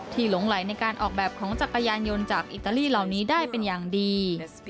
หลงไหลในการออกแบบของจักรยานยนต์จากอิตาลีเหล่านี้ได้เป็นอย่างดี